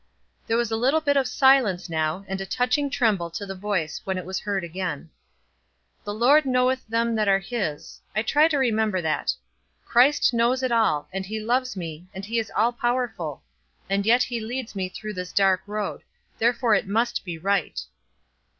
There was a little bit of silence now, and a touching tremble to the voice when it was heard again. "'The Lord knoweth them that are his.' I try to remember that. Christ knows it all, and he loves me, and he is all powerful; and yet he leads me through this dark road; therefore it must be right."